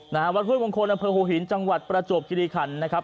นะฮะวัดห้วยมงคลอำเภอหัวหินจังหวัดประจวบคิริขันนะครับ